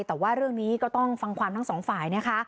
แต่ว่าเรื่องนี้ก็ต้องฟังความทั้งสองฝ่ายนะคะ